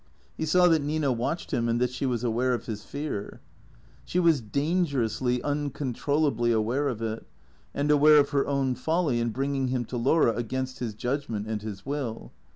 He saw that Nina watched him and that she was aware of his fear. She was dangerously, uncontrollably aware of it, and aware of her own folly in bringing him to Laura against his judgment and his will.